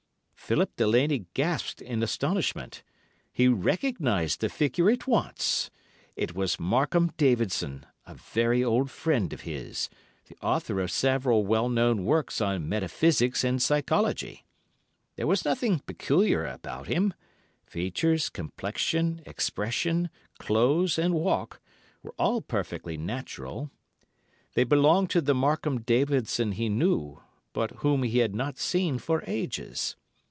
Philip Delaney gasped in astonishment. He recognised the figure at once. It was Markham Davidson, a very old friend of his, the author of several well known works on Metaphysics and Psychology. There was nothing peculiar about him—features, complexion, expression, clothes, and walk were all perfectly natural. They belonged to the Markham Davidson he knew, but whom he had not seen for ages.